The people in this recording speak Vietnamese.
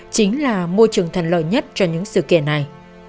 chính là môi trường thần lợi nhất cho những xã hội